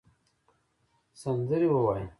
سندرې ووایې